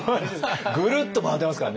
グルッと回ってますからね